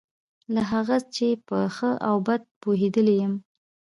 له هغه چې په ښه او بد پوهېدلی یم.